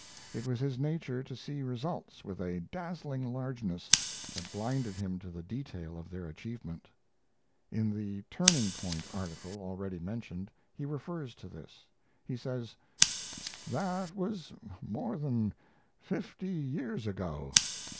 It was his nature to see results with a dazzling largeness that blinded him to the detail of their achievement. In the "Turning point" article already mentioned he refers to this. He says: That was more than fifty years ago.